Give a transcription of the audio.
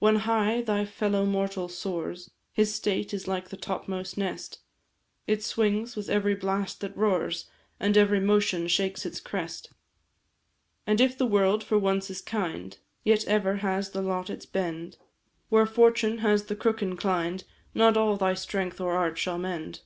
"When high thy fellow mortal soars, His state is like the topmost nest It swings with every blast that roars, And every motion shakes its crest. "And if the world for once is kind, Yet ever has the lot its bend; Where fortune has the crook inclined, Not all thy strength or art shall mend.